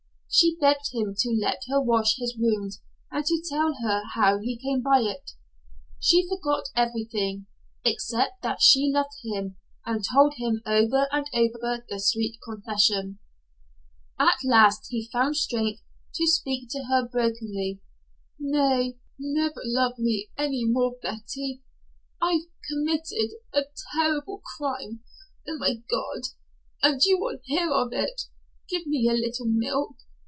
She begged him to let her wash his wound and to tell her how he came by it. She forgot everything, except that she loved him and told him over and over the sweet confession. At last he found strength to speak to her brokenly. "Never love me any more, Betty. I've committed a terrible crime Oh, my God! And you will hear of it Give me a little milk.